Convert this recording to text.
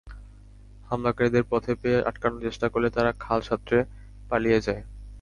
হামলাকারীদের পথে পেয়ে আটকানোর চেষ্টা করলে তারা খাল সাঁতরে পালিয়ে যায়।